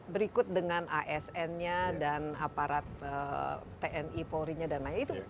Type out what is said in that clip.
berikut dengan asn nya dan aparat tni polri nya dan lain lain